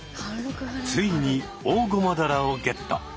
ついにオオゴマダラをゲット。